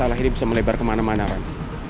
tanah ini bisa melebar kemana mana ron